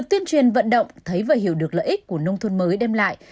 tuyên truyền vận động thấy và hiểu được lợi ích của nông thôn mới đem lại